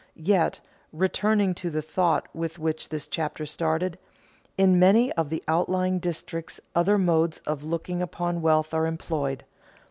Yet (returning to the thought with which this chapter started) in many of the outlying districts other modes of looking upon wealth are employed.